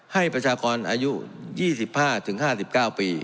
ประชากรอายุ๒๕๕๙ปี